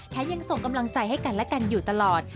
ยังส่งกำลังใจให้กันและกันอยู่ตลอด